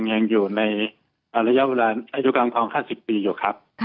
ยังอยู่ในอายุกลางครอง๕๐ปีอยู่ครับ